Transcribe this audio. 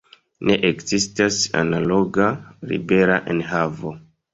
Ne ekzistas analoga libera enhavo.